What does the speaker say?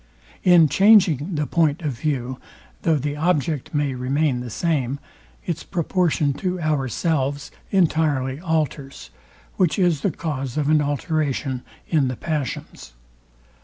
In changing the point of view, though the object may remain the same, its proportion to ourselves entirely alters; which is the cause of an alteration in the passions.